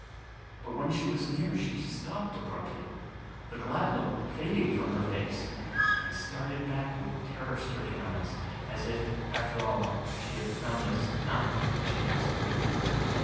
But when she was near she stopped abruptly, the glad look fading from her face, and started back with terror stricken eyes, as if, after all, she had found us not what she expected.